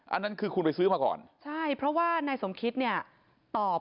อันนั้นคือคุณไปซื้อมาก่อนใช่เพราะว่านายสมคิตเนี่ยตอบ